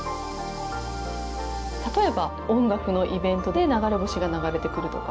例えば音楽のイベントで流れ星が流れて来るとか。